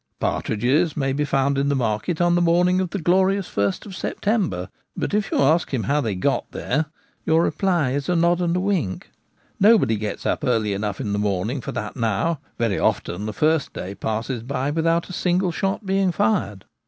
Partridges may be found in the market on the morning of the glorious First of September ; but if you ask him how they get there, your reply is a pod and a wink. Nobody gets up early enough in the morning for that now : very often the first day passes by without a single shot being fired.